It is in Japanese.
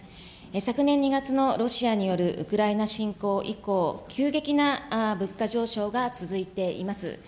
昨年２月のロシアによるウクライナ侵攻以降、急激な物価上昇が続いています。